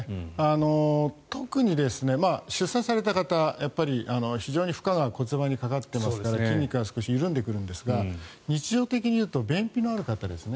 特に出産された方は非常に負荷が骨盤にかかっていますから筋肉が少し緩んでくるんですが日常的に言うと便秘のある方ですね